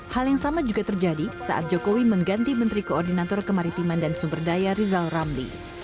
hal yang sama juga terjadi saat jokowi mengganti menteri koordinator kemaritiman dan sumber daya rizal ramli